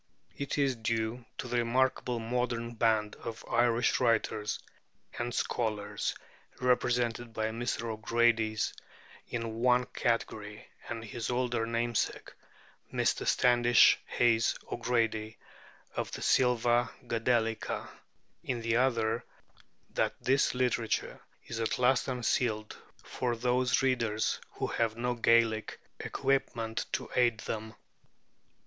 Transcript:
It is due to the remarkable modern band of Irish writers and scholars represented by Mr. O'Grady in the one category, and his older namesake, Mr. Standish Hayes O'Grady of the 'Silva Gadelica,' in the other, that this literature is at last unsealed for those readers who have no Gaelic equipment to aid them.